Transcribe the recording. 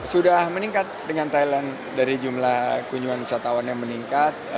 sudah meningkat dengan thailand dari jumlah kunjungan wisatawan yang meningkat